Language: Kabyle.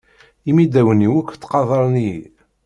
Imidawen-iw akk ttqadaren-iyi.